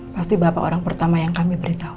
pasti bapak orang pertama yang kami beritahu